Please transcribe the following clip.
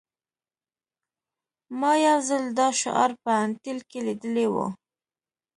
ما یو ځل دا شعار په انټیل کې لیدلی و